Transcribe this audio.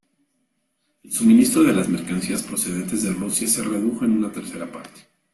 El suministro de las mercancías procedentes de Rusia se redujo en una tercera parte.